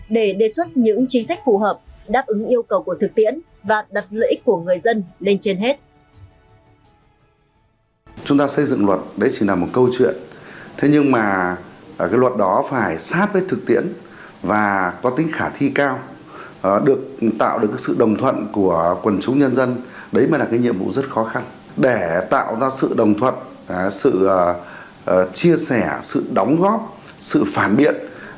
để đề xuất những chính sách phù hợp đáp ứng yêu cầu của thực tiễn và đặt lợi ích của người dân lên trên hết